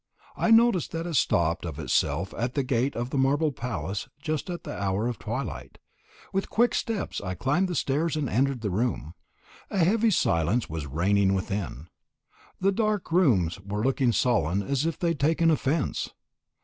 I noticed that it stopped of itself at the gate of the marble palace just at the hour of twilight. With quick steps I climbed the stairs, and entered the room. A heavy silence was reigning within. The dark rooms were looking sullen as if they had taken offence.